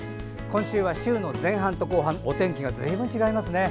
今週は週の前半と後半お天気がずいぶん違いますね。